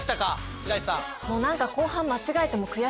白石さん。